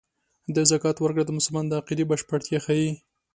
د زکات ورکړه د مسلمان د عقیدې بشپړتیا ښيي.